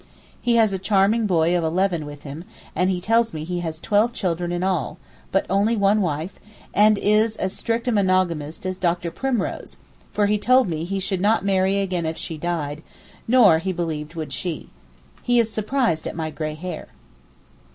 He has a charming boy of eleven with him, and he tells me he has twelve children in all, but only one wife, and is as strict a monogamist as Dr. Primrose, for he told me he should not marry again if she died, nor he believed would she. He is surprised at my gray hair.